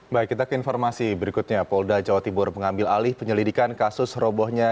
baik kita ke informasi berikutnya polda jawa timur mengambil alih penyelidikan kasus robohnya